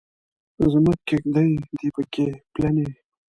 زموږ کیږدۍ دې پکې پلنې.